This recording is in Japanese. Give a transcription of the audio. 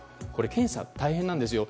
検査が大変なんですよ。